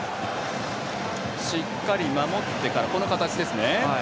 しっかり守ってからこの形ですね。